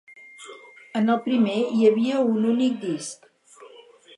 En el primer hi havia un únic disc.